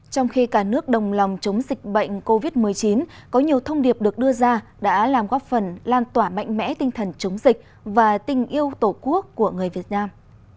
trong khi cả nước đồng lòng chống dịch bệnh covid một mươi chín có nhiều thông điệp được đưa ra đã làm góp phần lan tỏa mạnh mẽ tinh thần chống dịch và tình yêu tổ quốc của người việt nam